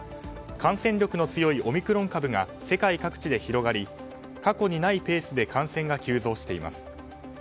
感染力の強いオミクロン株が世界各地で広がり過去にないペースで感染が急増しています。